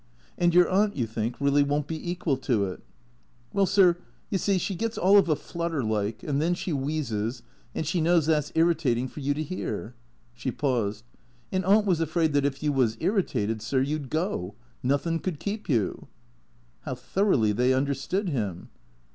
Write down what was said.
" And your aunt, you think, really won't be equal to it ?"" Well, sir, you see, she gets all of a flutter like, and then she w'eezes, and she knows that 's irritating for you to hear." She paused. " And Aunt was afraid that if you was irritated, sir, you 'd go. Nothin' could keep you." (How thoroughly they understood him!)